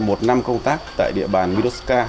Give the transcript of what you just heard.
một năm công tác tại địa bàn midosuka